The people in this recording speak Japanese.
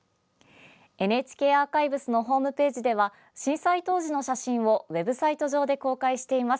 ＮＨＫアーカイブスのホームページでは震災当時の写真をウェブサイト上で公開しています。